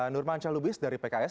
nurman calubis dari pks